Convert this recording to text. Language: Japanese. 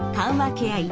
ケア医